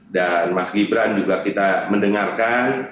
dan mas gibran juga kita mendengarkan